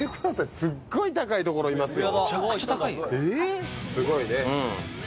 すっごい高いところにいますよ。